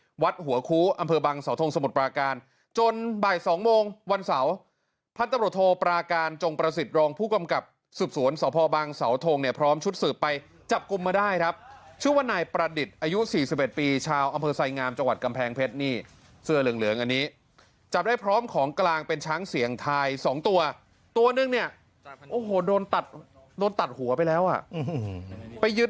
ที่วัดหัวคู้อำเภอบังเสาทงสมุทรปราการจนบ่าย๒โมงวันเสาร์พัฒนบริโธปราการจงประสิทธิ์รองผู้กำกับสืบสวนเสาพอบังเสาทงเนี่ยพร้อมชุดสืบไปจับกลุ่มมาได้ครับชื่อว่านายประดิษฐ์อายุ๔๑ปีชาวอำเภอไซงามจังหวัดกำแพงเพชรนี่เสื้อเหลืองอันนี้จับได้พร้อมของกลางเป็นช้างเสียงทาย๒